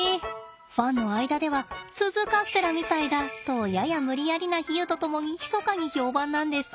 ファンの間では鈴カステラみたいだとやや無理やりな比喩と共にひそかに評判なんです。